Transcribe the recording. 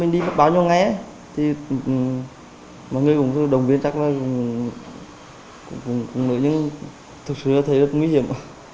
mình đi bắt bao nhiêu ngày ấy thì mọi người cũng đồng viên chắc là cũng nửa nhưng thực sự là thấy rất nguy hiểm